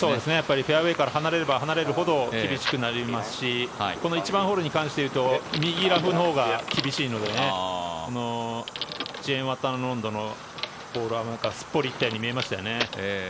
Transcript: フェアウェーから離れれば離れるほど厳しくなりますしこの１番ホールに関して言うと右ラフのほうが厳しいのでジェーンワタナノンドのボールはすっぽり行ったように見えましたよね。